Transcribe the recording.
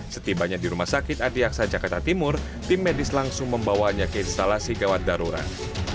setibanya di rumah sakit adiaksa jakarta timur tim medis langsung membawanya ke instalasi gawat darurat